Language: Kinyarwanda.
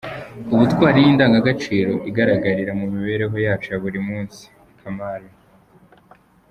Ubutwari ni indangagaciro igaragarira mu mibereho yacu ya buri munsi Kamari